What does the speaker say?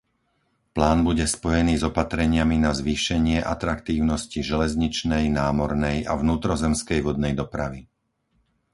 Plán bude spojený s opatreniami na zvýšenie atraktívnosti železničnej, námornej a vnútrozemskej vodnej dopravy.